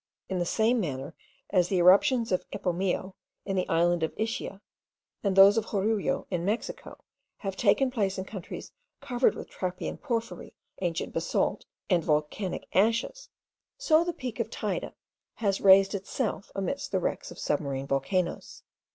In the same manner as the eruptions of Epomeo in the island of Ischia, and those of Jorullo in Mexico, have taken place in countries covered with trappean porphyry, ancient basalt, and volcanic ashes, so the peak of Teyde has raised itself amidst the wrecks of submarine volcanoes.